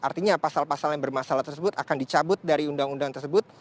artinya pasal pasal yang bermasalah tersebut akan dicabut dari undang undang tersebut